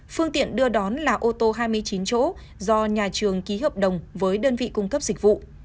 phương tiện đưa đón là ô tô hai mươi chín chỗ do nhà trường ký hợp đồng với đơn vị cung cấp dịch vụ